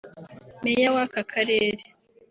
Meya w’aka karere